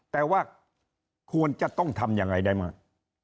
แต่ว่าควรจะต้องทำยังไงได้มาก